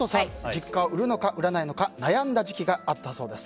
実家を売るのか売らないのか悩んだ時期があったそうです。